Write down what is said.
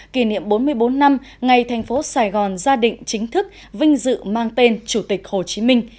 kỷ niệm bốn mươi bốn năm ngày thành phố sài gòn gia đình chính thức vinh dự mang tên chủ tịch hồ chí minh